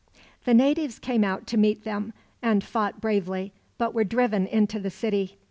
The natives came out to meet them, and fought bravely, but were driven into the city.